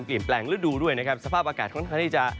เปลี่ยนแปลงฤดูด้วยนะครับสภาพอากาศค่อนข้างที่จะ